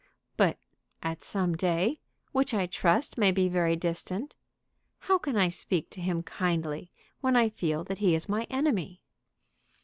"But at some day, which I trust may be very distant. How can I speak to him kindly when I feel that he is my enemy?"